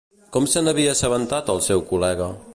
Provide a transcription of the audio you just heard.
Com se n'havia assabentat el seu col·lega?